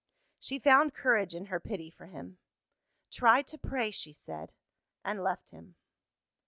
She found courage in her pity for him. "Try to pray," she said, and left him.